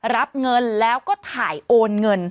รับเงินแล้วก็ถ่ายโอนเงิน